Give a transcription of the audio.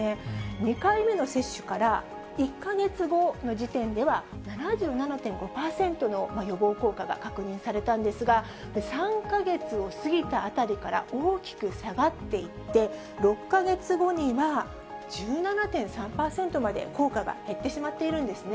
２回目の接種から１か月後の時点では、７７．５％の予防効果が確認されたんですが、３か月を過ぎたあたりから大きく下がっていって、６か月後には、１７．３％まで効果が減ってしまっているんですね。